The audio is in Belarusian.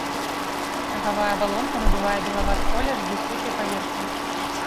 Рагавая абалонка набывае белаваты колер з бліскучай паверхняй.